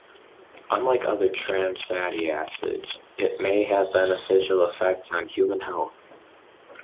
Unlike other "trans" fatty acids, it may have beneficial effects on human health.